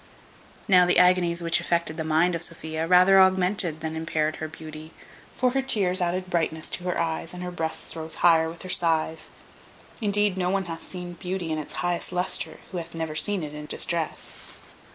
Now the agonies which affected the mind of Sophia, rather augmented than impaired her beauty; for her tears added brightness to her eyes, and her breasts rose higher with her sighs. Indeed, no one hath seen beauty in its highest lustre who hath never seen it in distress.